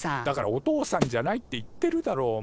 だからお父さんじゃないって言ってるだろ！